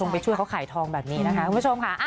ไปช่วยเขาขายทองแบบนี้นะคะคุณผู้ชมค่ะ